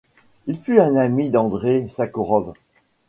Il fut un ami d'Andreï Sakharov.